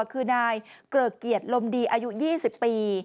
คือนายเกริกเกียรติลมดีอายุ๒๐ปี